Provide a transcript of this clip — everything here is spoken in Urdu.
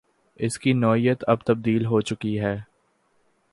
اس کی نوعیت اب تبدیل ہو چکی ہے۔